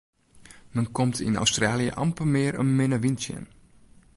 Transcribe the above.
Men komt yn Australië amper mear in minne wyn tsjin.